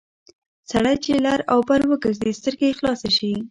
سړی چې لر او بر وګرځي سترګې یې خلاصې شي...